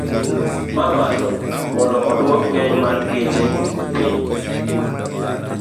Ma malo mondo odwok ng'eny mar geche piny